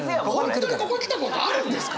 本当にここ来たことあるんですか！？